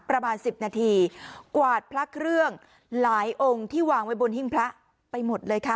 ประมาณสิบนาทีกวาดพระเครื่องหลายองค์ที่วางไว้บนหิ้งพระไปหมดเลยค่ะ